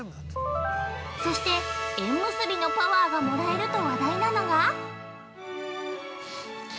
◆そして、縁結びのパワーがもらえると話題なのが。